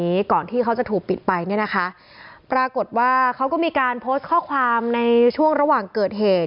นี้ก่อนที่เขาจะถูกปิดไปเนี่ยนะคะปรากฏว่าเขาก็มีการโพสต์ข้อความในช่วงระหว่างเกิดเหตุ